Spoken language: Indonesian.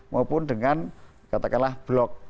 maupun dengan katakanlah blok